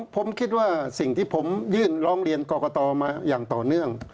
ผมคิดว่าสิ่งที่ผมยื่นร้องเรียนกรกตมาอย่างต่อเนื่อง